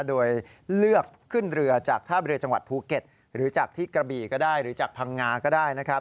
โดยเลือกขึ้นเรือจากท่าเรือจังหวัดภูเก็ตหรือจากที่กระบี่ก็ได้หรือจากพังงาก็ได้นะครับ